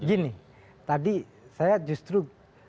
gini tadi saya justru